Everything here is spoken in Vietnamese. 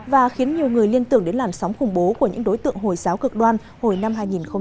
và khiến nhiều người liên tưởng đến làn sóng khủng bố của những đối tượng hồi giáo cực đoan hồi năm hai nghìn một mươi